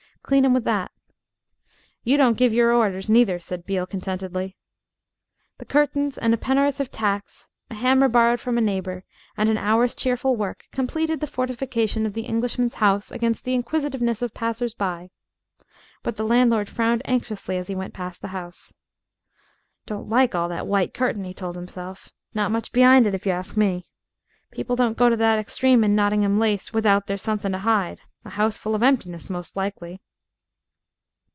Clean 'em with that." "You don't give your orders, neither," said Beale contentedly. The curtains and a penn'orth of tacks, a hammer borrowed from a neighbor, and an hour's cheerful work completed the fortification of the Englishman's house against the inquisitiveness of passers by. But the landlord frowned anxiously as he went past the house. "Don't like all that white curtain," he told himself; "not much be'ind it, if you ask me. People don't go to that extreme in Nottingham lace without there's something to hide a house full of emptiness, most likely."